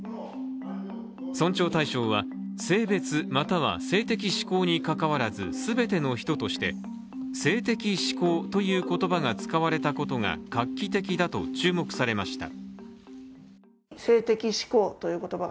尊重対象は、性別または性的指向にかかわらず全ての人だとして性的指向という言葉が使われたことが画期的だと注目されました。